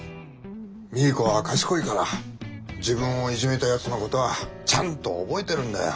ミーコは賢いから自分をいじめたやつのことはちゃんと覚えてるんだよ。